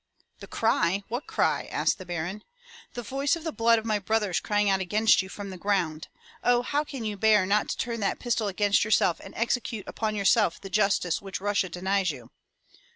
*' "The cry! What cry?'* asked the Baron. "The voice of the blood of my brothers crying out against you from the ground. Oh, how can you bear not to turn that pistol against yourself and execute upon yourself the justice which Russia denies you?